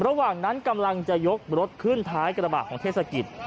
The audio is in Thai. ระหว่างนั้นกำลังจะยกรถขึ้นท้ายกระบาดของเทศกิจ